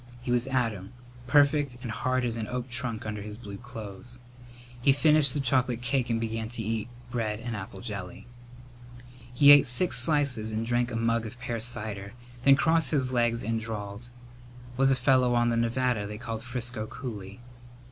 He was Adam, perfect and hard as an oak trunk under his blue clothes. He finished the chocolate cake and began to eat bread and apple jelly. He ate six slices and drank a mug of pear cider, then crossed his legs and drawled, "Was a fellow on the Nevada they called Frisco Cooley."